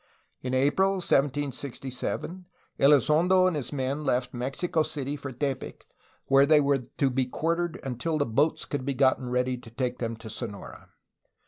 In April 1767 EUzondo and his men left Mexico City for Tepic, where they were to be quartered until the boats could be gotten ready to take them to Sonora.